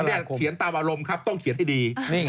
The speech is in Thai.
เนี่ยเขียนตามอารมณ์ครับต้องเขียนให้ดี